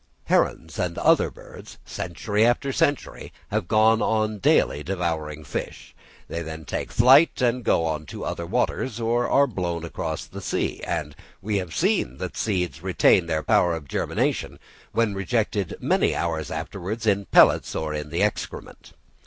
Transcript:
Herons and other birds, century after century, have gone on daily devouring fish; they then take flight and go to other waters, or are blown across the sea; and we have seen that seeds retain their power of germination, when rejected many hours afterwards in pellets or in the excrement.